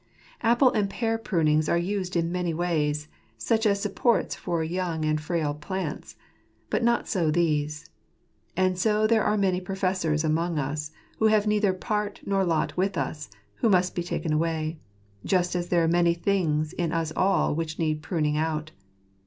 Apple and pear prunings are used in many ways, such as supports for young and frail plants ; but not so these. And so there are many professors amongst us, who have neither part nor lot with us, who must be taken away ; just as there are many things in us all which need pruning out.